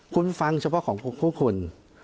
คุณฟังเฉพาะของพวกคุณ